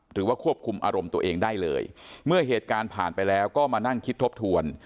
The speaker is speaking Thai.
หรือว่าควบคุมอารมณ์ตัวเองได้เลยเมื่อเหตุการณ์ผ่านไปแล้วก็มานั่งคิดทบทวน